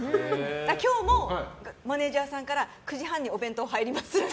今日もマネジャーさんから９時半にお弁当入りますって。